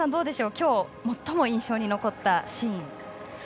今日、最も印象に残ったシーンは。